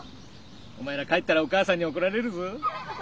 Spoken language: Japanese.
お前ら帰ったらお母さんにおこられるぞ。